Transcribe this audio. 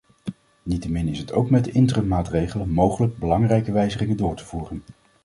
Niettemin is het ook met de interim-maatregelen mogelijk belangrijke wijzigingen door te voeren.